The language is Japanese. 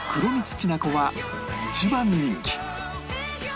きなこは一番人気